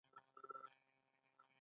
ایا معلومات مو ترلاسه کړل؟